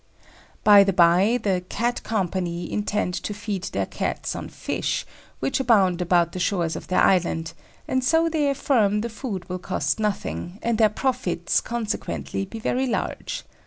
By the bye, the Cat Company intend to feed their Cats on fish, which abound about the shores of their island, and so they affirm the food will cost nothing, and their profits consequently be very large.